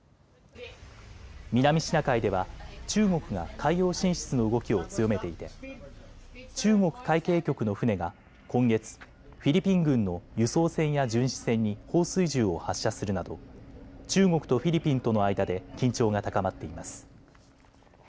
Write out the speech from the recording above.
南シナ海では中国が海洋進出の動きを強めていて中国海警局の船が今月、フィリピン軍の輸送船や巡視船に放水銃を発射するなど中国とフィリピンとの間で緊張が高まっています。